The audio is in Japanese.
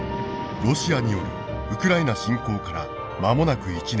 ロシアによるウクライナ侵攻から間もなく１年。